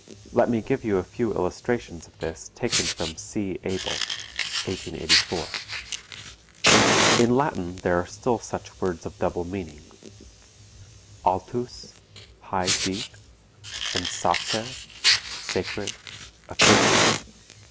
Let me give you a few illustrations of this taken from C. Abel (1884). In Latin there are still such words of double meaning: altus high, deep, and sacer, sacred, accursed.